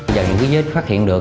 giờ những cái giết phát hiện được